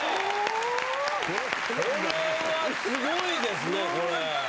これはすごいですね！